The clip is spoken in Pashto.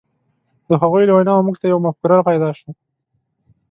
د هغوی له ویناوو موږ ته یوه مفکوره پیدا شوه.